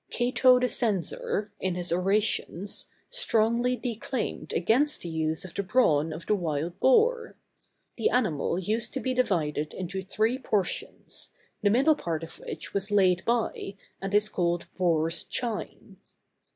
Cato the Censor, in his orations, strongly declaimed against the use of the brawn of the wild boar. The animal used to be divided into three portions, the middle part of which was laid by, and is called boar's chine.